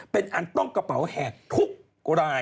เป็นอันต้องกระเป๋าแหกทุกราย